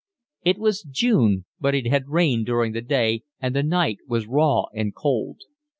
It was June, but it had rained during the day and the night was raw and cold.